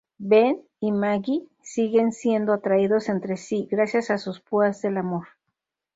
Ben y Maggie siguen siendo atraídos entre sí gracias a sus púas del amor".